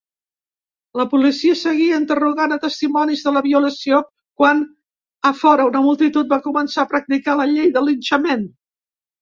La policia seguia interrogant a testimonis de la violació quan a fora una multitud va començar a practicar la llei del linxament.